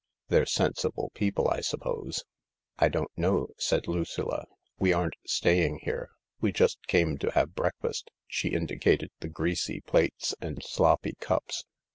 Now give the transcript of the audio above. "They're sensible people, I suppose ?"" I don't know," said Lucilla ; "we aren't staying here. We just came to have breakfast "—she indicated the greasy plates and sloppy cups.